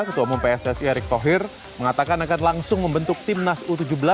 ketua umum pssi erick thohir mengatakan akan langsung membentuk timnas u tujuh belas